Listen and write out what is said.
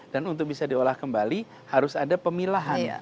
dan untuk bisa diolah kembali harus ada pemilahan